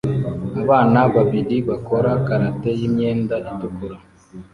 Abana babiri bakora karate yimyenda itukura